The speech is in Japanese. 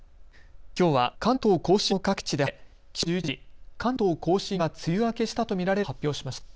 きょうは関東甲信の各地で晴れ、気象庁は午前１１時、関東甲信が梅雨明けしたと見られると発表しました。